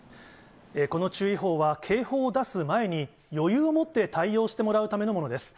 この注意報は、警報を出す前に、余裕を持って対応してもらうためのものです。